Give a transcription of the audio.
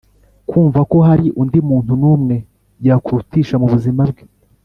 kumva ko hari undi muntu n’umwe yakurutisha mu buzima bwe.